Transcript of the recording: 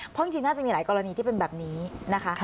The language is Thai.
เพราะจริงน่าจะมีหลายกรณีที่เป็นแบบนี้นะคะ